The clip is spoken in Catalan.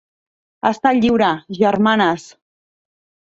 Està lliure, germanes.